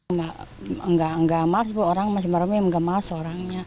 enggak malas buat orang mas mbak romi enggak malas orangnya